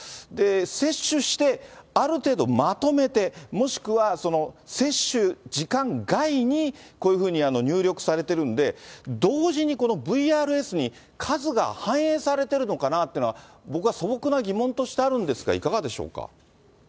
接種して、ある程度まとめて、もしくは接種時間外に、こういうふうに入力されてるんで、同時にこのＶＲＳに数が反映されているのかなっていうのは、僕は素朴な疑問としてあるんですが、いかがでしょうか。